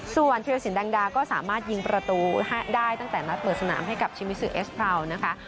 ส่วนธิรสินแดงดาก็สามารถยิงประตูได้ตั้งแต่นัดเปิดสนามให้กับชิมิซือเอสพราวนะคะ